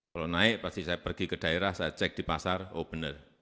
kalau naik pasti saya pergi ke daerah saya cek di pasar oh benar